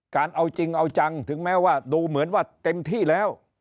เอาจริงเอาจังถึงแม้ว่าดูเหมือนว่าเต็มที่แล้ว